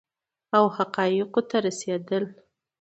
او حقایقو ته رسیدل